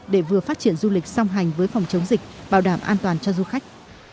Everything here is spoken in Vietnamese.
để vừa phát triển du lịch song hành với phòng chống dịch bảo đảm an toàn cho du khách